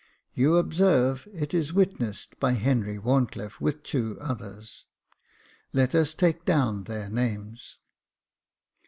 You observe, it is witnessed by Henry WharnclifFe, with two others. Let us take down their names."